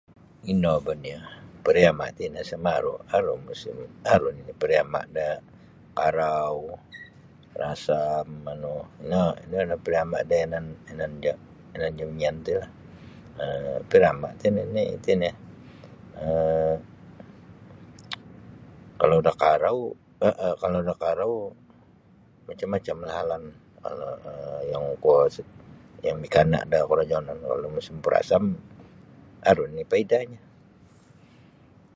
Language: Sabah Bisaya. Ino ba nio pariama ti ni isa maru aru musim aru ni pariama da karau rasam manu ino ino nio pariama da yanan-yanan ja yanan jami mian ti lah um pariama ti nini iti nio um kalau da karau um kalau da karau macam-macam lah halang um yang kuwo yang mikana da karajonon kalau musim purasam aru nini paidanyo.